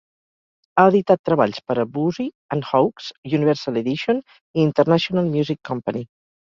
Ha editat treballs per a Boosey and Hawkes, Universal Edition i International Music Company.